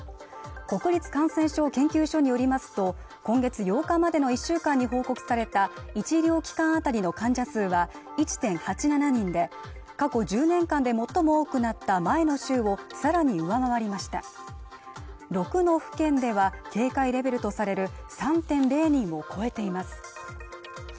国立感染症研究所によりますと今月８日までの１週間に報告された１医療機関当たりの患者数は１．８７人で過去１０年間で最も多くなった前の週をさらに上回りました６の府県では警戒レベルとされる３．０人を超えています